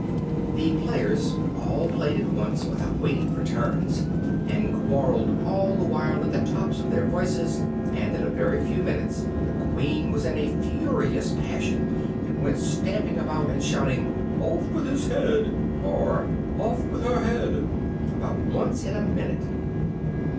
The players all played at once without waiting for turns, and quarrelled all the while at the tops of their voices, and in a very few minutes the Queen was in a furious passion, and went stamping about and shouting "off with his head!" of "off with her head!" about once in a minute.